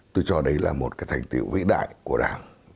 tôi cho đấy là một cái thành tiệu vĩ đại của đảng